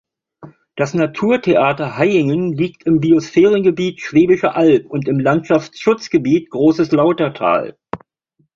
Das Naturtheater Hayingen liegt im Biosphärengebiet „Schwäbische Alb“ und im Landschaftsschutzgebiet „Großes Lautertal“.